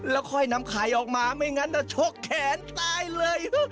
แล้วค่อยนำไข่ออกมาไม่งั้นจะชกแขนตายเลย